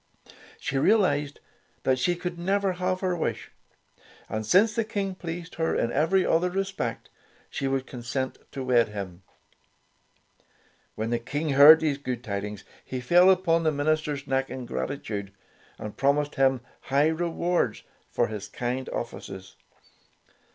She realized that she could never have her wish, and since the King pleased her in every other respect, she would consent to wed him. When the King heard these 32 Tales of Modern Germany good tidings, he fell upon the minister's neck in gratitude, and promised him high rewards for his kind offices.